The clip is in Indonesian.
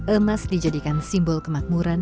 emas dijadikan simbol kemakmuran